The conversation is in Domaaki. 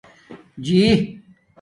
جݶ